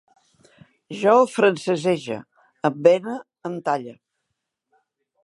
Jo francesege, embene, entalle